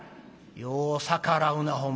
「よう逆らうなほんまに。